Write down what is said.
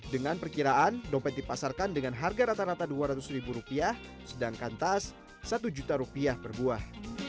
dengan perkiraan dompet dipasarkan dengan harga rata rata dua ratus ribu rupiah sedangkan tas satu juta rupiah per buah